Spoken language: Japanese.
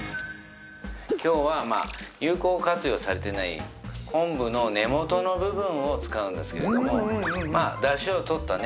今日はまあ有効活用されてない昆布の根元の部分を使うんですけれどもまあだしを取ったね